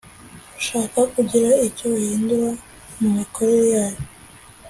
ushaka kugira icyo uhindura mu mikorere yayo